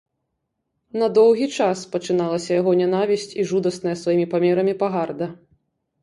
На доўгі час пачыналася яго нянавісць і жудасная сваімі памерамі пагарда.